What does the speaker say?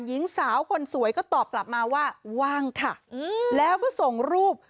หญิงสาวคนสวยก็ตอบกลับมาว่าว่างค่ะแล้วก็ส่งรูป